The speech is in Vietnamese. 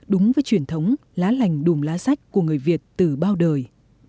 đúng với truyền thống lá lành đùm lá sách của người việt từ bao đời